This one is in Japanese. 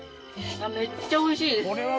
めっちゃ美味しいです。